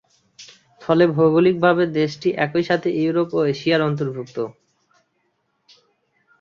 ফলে ভৌগলিকভাবে দেশটি একই সাথে ইউরোপ ও এশিয়ার অন্তর্ভুক্ত।